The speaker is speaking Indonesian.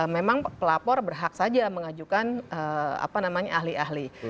memang pelapor berhak saja mengajukan ahli ahli